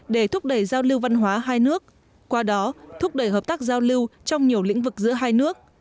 để thúc đẩy giao lưu văn hóa hai nước qua đó thúc đẩy hợp tác giao lưu trong nhiều lĩnh vực giữa hai nước